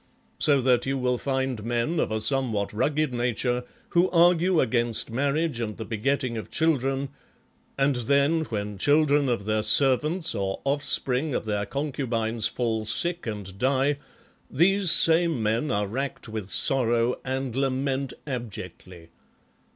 So that you will find men of a somewhat rugged nature who argue against marriage and the begetting of children, and then, when children of their servants, or offspring of their concubines fall sick and die, these same men are racked with sorrow and lament abjectly.